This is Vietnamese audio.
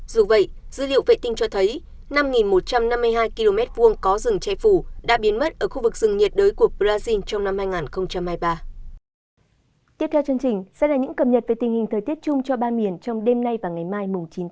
dù vậy dữ liệu vệ tinh cho thấy năm một trăm năm mươi hai km hai có rừng chai phủ đã biến mất